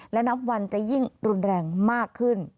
และนับวันจะยิ่งรุนแรงมากขึ้น